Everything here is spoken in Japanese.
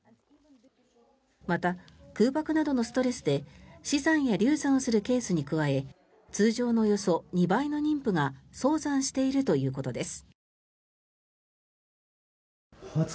また、空爆などのストレスで死産や流産するケースに加え通常のおよそ２倍の妊婦が早産しているということです。